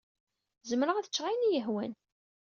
Zemreɣ ad ččeɣ ayen i yi-ihwan.